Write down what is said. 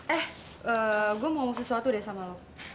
eh gue mau sesuatu deh sama lo